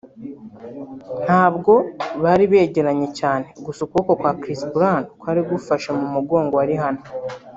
ntabwo bari begeranye cyane gusa ukuboko kwa Chris Brown kwari gufashe mu mugongo wa Rihanna